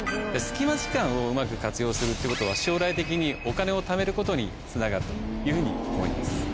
隙間時間をうまく活用するってことは将来的にお金を貯めることにつながるというふうに思います。